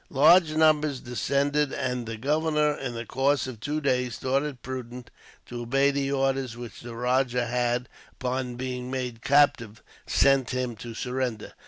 Large numbers deserted, and the governor, in the course of two days, thought it prudent to obey the orders which the rajah had, upon being made captive, sent to him to surrender.